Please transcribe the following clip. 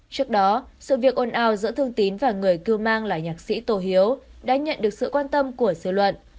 trước đó sự việc ồn ào giữa thương tín và người cư mang là nhạc sĩ tổ hiếu đã nhận được sự quan tâm của xứ luận